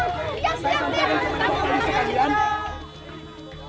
tidak tidak tidak